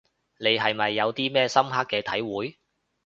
你係咪有啲咩深刻嘅體會